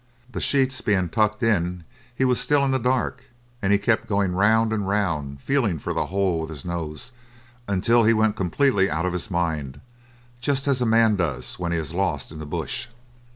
The sheets being tucked in he was still in the dark, and he kept going round and round, feeling for the hole with his nose until he went completely out of his mind, just as a man does when he is lost in the bush.